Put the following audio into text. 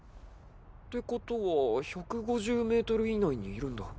ってことは１５０ｍ以内にいるんだ。